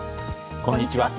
こんにちは。